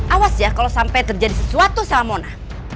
awas ya kalau sampai terjadi sesuatu sama mona